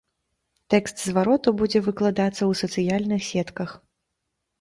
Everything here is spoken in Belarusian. Тэкст звароту будзе выкладацца ў сацыяльных сетках.